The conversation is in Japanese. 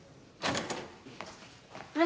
あれ？